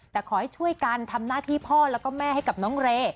แต่ขอให้ช่วยกันทำหน้าที่พ่อแล้วก็แม่ให้กับน้องเร